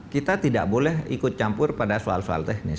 kita tidak boleh ikut campur pada soal soal teknis